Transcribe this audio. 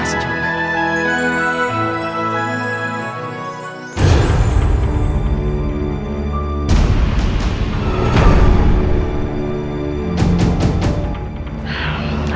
aku mah udah pernah bilang